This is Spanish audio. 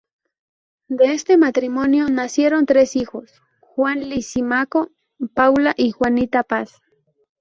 De este matrimonio nacieron tres hijos: Juan Lisímaco, Paula y Juanita Paz.